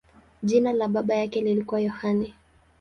Jina la baba yake lilikuwa Yohane.